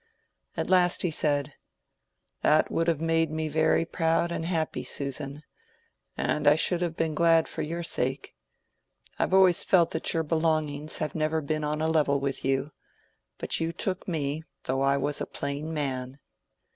At last he said— "That would have made me very proud and happy, Susan, and I should have been glad for your sake. I've always felt that your belongings have never been on a level with you. But you took me, though I was a plain man."